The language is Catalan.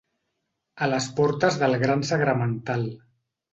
A les portes del gran sagramental.